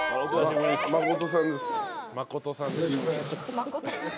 信さんです。